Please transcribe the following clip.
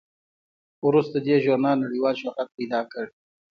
وروسته دې ژورنال نړیوال شهرت پیدا کړ.